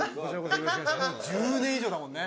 「１０年以上だもんね」